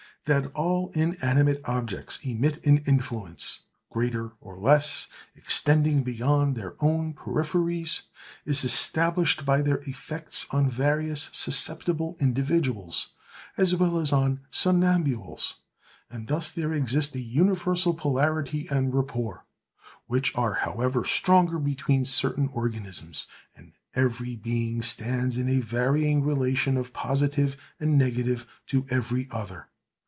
That all inanimate objects emit an influence, greater or less, extending beyond their own peripheries, is established by their effects on various susceptible individuals, as well as on somnambules; and thus there exist a universal polarity and rapport, which are however stronger between certain organisms; and every being stands in a varying relation of positive and negative to every other.